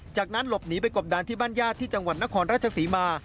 จากนั้นหลบหนีไปกบดานที่บ้านญาติที่จังหวัดนครราชศรีมา